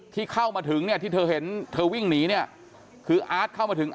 ที่เข้ามาถึงเนี่ยที่เธอเห็นเธอวิ่งหนีเนี่ยคืออาร์ตเข้ามาถึง